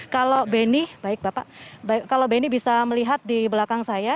kalau benny baik bapak kalau benny bisa melihat di belakang saya